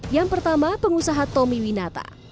yang pertama pengusaha tommy winata